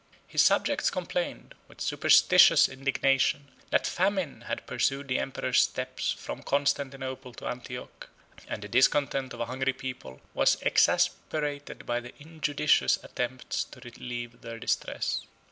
His subjects complained, with superstitious indignation, that famine had pursued the emperor's steps from Constantinople to Antioch; and the discontent of a hungry people was exasperated by the injudicious attempt to relieve their distress.